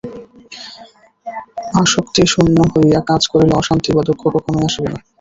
আসক্তিশূন্য হইয়া কাজ করিলে অশান্তি বা দুঃখ কখনই আসিবে না।